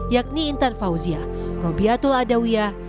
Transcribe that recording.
yakni intan fauzia robiatul adawiyah